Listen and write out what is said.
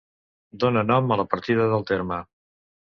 Dóna nom a la partida del terme.